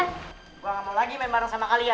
gua gak mau lagi main bareng sama kalian